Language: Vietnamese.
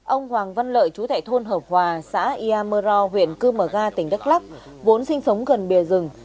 ông hoàng văn lợi chú tại thôn hợp hòa xã ia mơ ro huyện cư mờ ga tỉnh đắk lắc vốn sinh sống gần bìa rừng